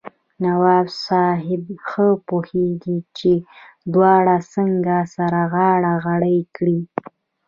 نواب صاحب ښه پوهېږي چې دواړه څنګه سره غاړه غړۍ کړي.